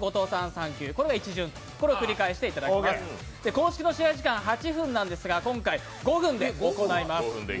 公式の試合時間は８分なんですが今回、５分で行います。